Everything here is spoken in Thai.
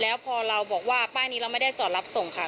แล้วพอเราบอกว่าป้ายนี้เราไม่ได้จอดรับส่งค่ะ